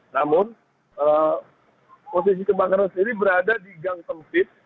namun posisi kebakaran sendiri berada di gang sempit